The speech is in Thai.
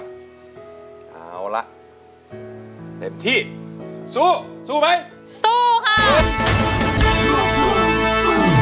แผ่นที่๕ก็คือ